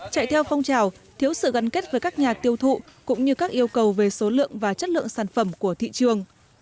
chạy theo phong trào thiếu sự gắn kết với các nhà tiêu thụ cũng như các yêu cầu về số lượng và chất lượng sản phẩm của thị trường